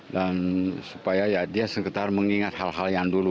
dan supaya dia sekitar mengingat hal hal yang dulu